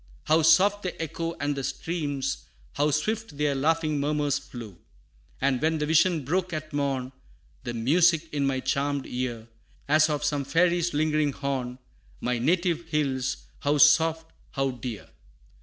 How soft the echo, and the streams, How swift their laughing murmurs flew! And when the vision broke at morn, The music in my charmed ear, As of some fairy's lingering horn, My native hills, how soft, how dear!